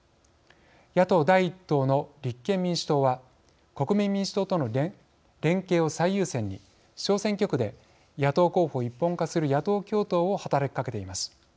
野党第１党の立憲民主党は国民民主党との連携を最優先に小選挙区で野党候補を一本化する野党共闘を働きかけています。